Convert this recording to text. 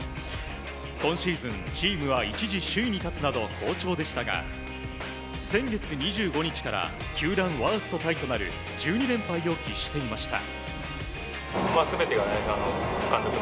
今シーズンチームは一時首位に立つなど好調でしたが先月２５日から球団ワーストタイとなる１２連敗を喫していました。